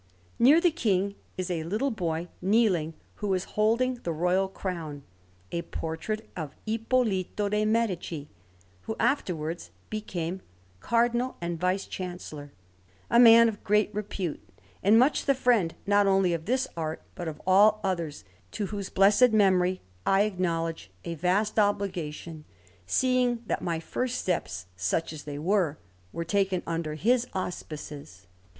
Near the King is a little boy kneeling, who is holding the royal crown a portrait of Ippolito de' Medici, who afterwards became Cardinal and Vice Chancellor, a man of great repute, and much the friend not only of this art, but of all others, to whose blessed memory I acknowledge a vast obligation, seeing that my first steps, such as they were, were taken under his auspices.